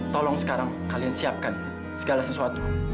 tolong sekarang kalian siapkan segala sesuatu